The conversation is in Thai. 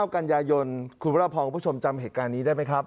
กันยายนคุณพระพรคุณผู้ชมจำเหตุการณ์นี้ได้ไหมครับ